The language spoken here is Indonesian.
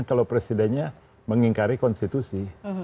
kalau presidennya mengingkari konstitusi